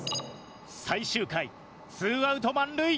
最終回ツーアウト満塁！